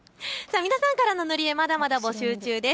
皆さんからの塗り絵、まだまだ募集中です。